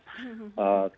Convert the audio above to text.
kita melakukan penyelesaian